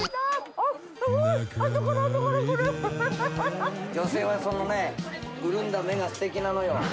あっ、すごい、女性はそのね、潤んだ目がすてきなのよ。